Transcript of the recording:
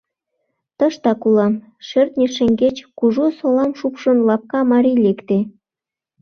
— Тыштак улам, — шертне шеҥгеч, кужу солам шупшын, лапка марий лекте.